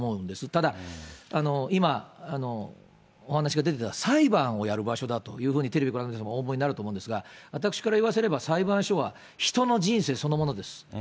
ただ、今、お話が出てた、裁判をやる場所だとテレビをご覧の皆さん、お思いになると思うのですが、私から言わせれば、裁判所は人の人生そのものです。